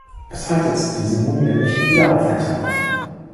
Bis heute ist diese Mumie nicht wieder aufgetaucht.